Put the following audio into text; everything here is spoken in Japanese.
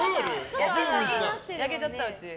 焼けちゃった、うち。